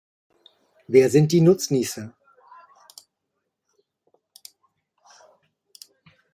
Wer sind die Nutznießer?